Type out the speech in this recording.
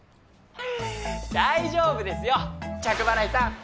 大丈夫ですよ着払いさん！